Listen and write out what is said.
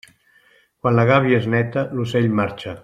Quan la gàbia és neta, l'ocell marxa.